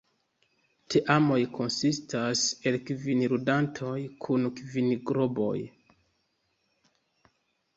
Teamoj konsistas el kvin ludantoj kun kvin globoj.